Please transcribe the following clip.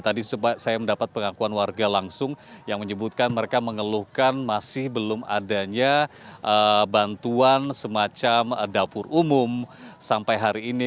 tadi saya mendapat pengakuan warga langsung yang menyebutkan mereka mengeluhkan masih belum adanya bantuan semacam dapur umum sampai hari ini